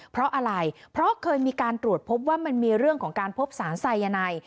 เพราะอะไรเพราะเคยมีการตรวจพบว่ามันมีเรื่องของการพบสารไซยาไน